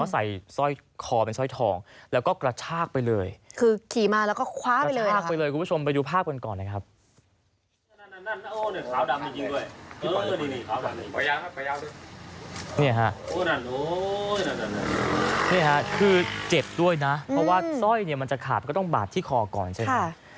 ใส่ทรอยก็ต้องบาดที่คอก่อนใช่ไหม